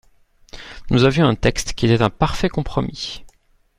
Nous avions un texte qui était un parfait compromis.